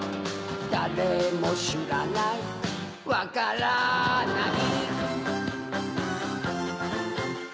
だれもしらないわからない